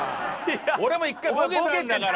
俺も１回ボケたんだから。